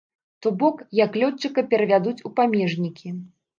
То бок, як лётчыка перавядуць у памежнікі.